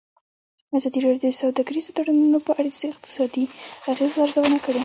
ازادي راډیو د سوداګریز تړونونه په اړه د اقتصادي اغېزو ارزونه کړې.